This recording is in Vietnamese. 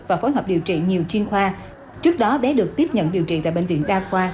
và phối hợp điều trị nhiều chuyên khoa trước đó bé được tiếp nhận điều trị tại bệnh viện đa khoa